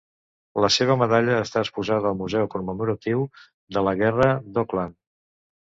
La seva medalla està exposada al museu commemoratiu de la guerra d'Auckland.